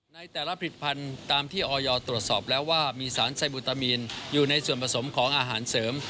ในแต่ละผลิตภัณฑ์ตามที่ออยตรวจสอบแล้วว่ามีสารไซบูตามีนอยู่ในส่วนผสมของอาหารเสริม